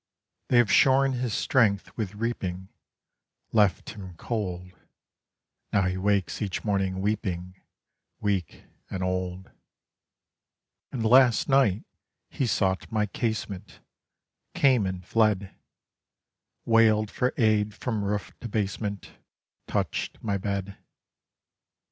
They have shorn his strength with reaping, Left him cold; Now he wakes each morning weeping, Weak and old. And last night he sought my casement, Came and fled; Wailed for aid from roof to basement, Touched my bed.